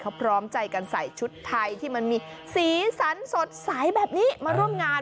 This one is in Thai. เขาพร้อมใจกันใส่ชุดไทยที่มันมีสีสันสดใสแบบนี้มาร่วมงาน